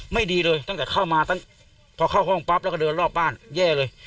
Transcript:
ไม่ดีเลยตั้งแต่เข้ามาตั้งพอเข้าห้องปั๊บแล้วก็เดินรอบบ้านแย่เลย